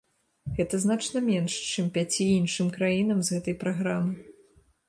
Гэта значна менш, чым пяці іншым краінам з гэтай праграмы.